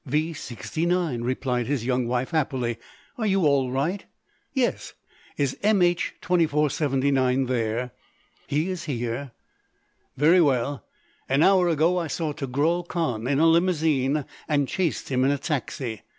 "V sixty nine," replied his young wife happily. "Are you all right?" "Yes. Is M. H. 2479 there?" "He is here." "Very well. An hour ago I saw Togrul Khan in a limousine and chased him in a taxi.